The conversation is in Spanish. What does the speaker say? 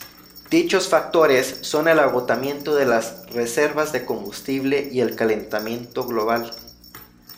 Dichos factores son el agotamiento de las reservas de combustible y el calentamiento global.